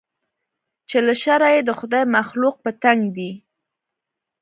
چې له شره یې د خدای مخلوق په تنګ دی